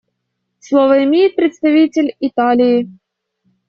Слово имеет представитель Италии.